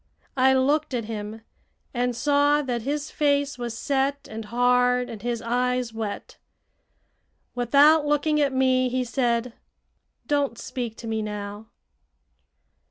I looked at him and saw that his face was set and hard and his eyes wet. Without looking at me, he said: "Don't speak to me now."